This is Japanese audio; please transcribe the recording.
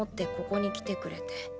ここに来てくれて。